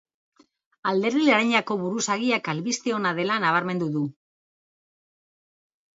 Alderdi laranjako buruzagiak albiste ona dela nabarmendu du.